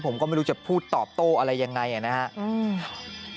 ผมก็ไม่รู้จะพูดตอบโต้อะไรยังไงนะครับ